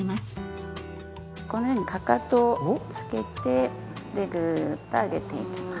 このようにかかとをつけてグーッと上げていきます。